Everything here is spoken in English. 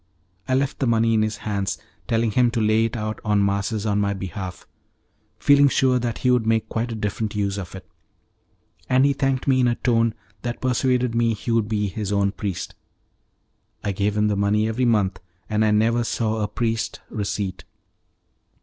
I left the money in his hands, telling him to lay it out on masses on my behalf, feeling sure that he would make quite a different use of it, and he thanked me in a tone that persuaded me he would be his own priest. I gave him the money every month, and I never saw a priest's receipt.